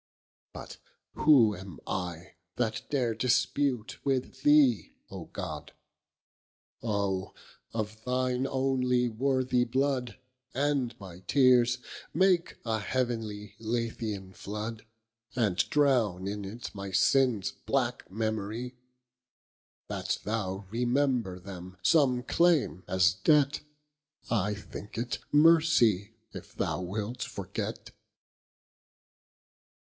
But who am I , that dare dispute with thee O God? Oh! of thine onely worthy blood, And my teares, make a heavenly Lethean flood, And drowne in it my sinnes black memorie; That thou remember them, some claime as debt, I thinke it mercy if thou wilt forget.